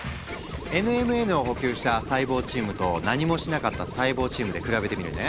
ＮＭＮを補給した細胞チームと何もしなかった細胞チームで比べてみるね。